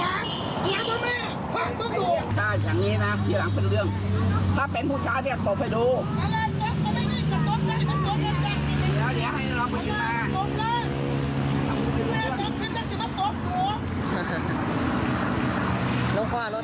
ถ้าอย่างนี้นะทีหลังเป็นเรื่องถ้าเป็นผู้ชายเรียกตบให้ดู